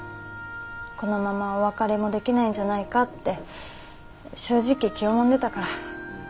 このままお別れもできないんじゃないかって正直気をもんでたから。